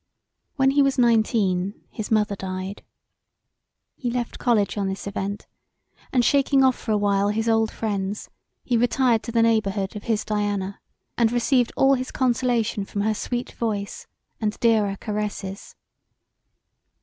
When he was nineteen his mother died. He left college on this event and shaking off for a while his old friends he retired to the neighbourhood of his Diana and received all his consolation from her sweet voice and dearer caresses.